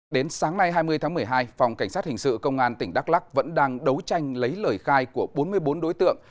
đến sáng nay hai mươi tháng một mươi hai phòng cảnh sát hình sự công an tỉnh đắk lắc vẫn đang đấu tranh lấy lời khai của bốn mươi bốn đối tượng